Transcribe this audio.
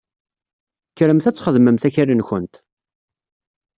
Kkremt ad txedmemt akal-nkent!